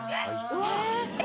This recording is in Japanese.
・うわ！